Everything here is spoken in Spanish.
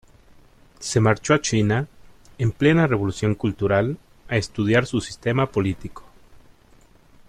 Se marchó a China, en plena Revolución Cultural, a estudiar su sistema político.